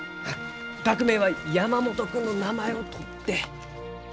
学名は山元君の名前をとって。